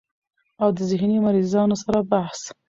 او د ذهني مريضانو سره بحث